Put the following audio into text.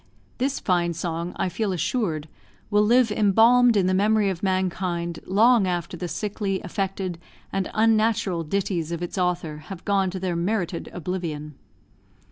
This fine song, I feel assured, will live embalmed in the memory of mankind long after the sickly, affected, and unnatural ditties of its author have gone to their merited oblivion.